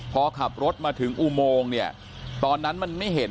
พอขับรถมาถึงอุโมงเนี่ยตอนนั้นมันไม่เห็น